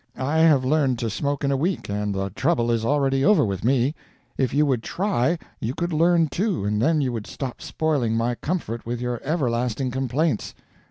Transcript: I have learned to smoke in a week, and the trouble is already over with me; if you would try, you could learn too, and then you would stop spoiling my comfort with your everlasting complaints."